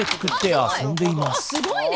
あすごいね。